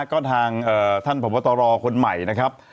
ก็ทางท่านพบตรคนใหม่นะครับ